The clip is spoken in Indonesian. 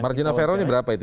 margin of errornya berapa itu